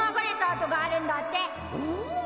おお！